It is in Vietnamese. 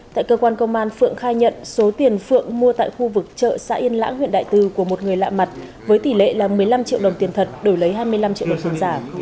tại cơ quan công an phượng khai nhận số tiền phượng mua tại khu vực chợ xã yên lãng huyện đại từ của một người lạ mặt với tỷ lệ là một mươi năm triệu đồng tiền thật đổi lấy hai mươi năm triệu đồng tiền giả